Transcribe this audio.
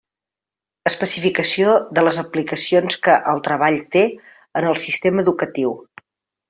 Especificació de les aplicacions que el treball té en el sistema educatiu.